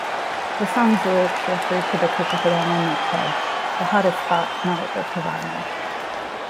The song's lyrics refer to the Copacabana nightclub, "the hottest spot north of Havana".